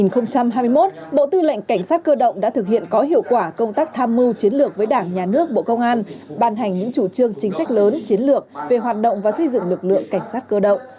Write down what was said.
năm hai nghìn hai mươi một bộ tư lệnh cảnh sát cơ động đã thực hiện có hiệu quả công tác tham mưu chiến lược với đảng nhà nước bộ công an ban hành những chủ trương chính sách lớn chiến lược về hoạt động và xây dựng lực lượng cảnh sát cơ động